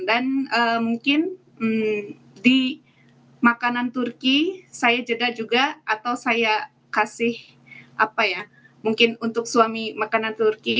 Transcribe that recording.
dan mungkin di makanan turki saya jeda juga atau saya kasih apa ya mungkin untuk suami makanan turki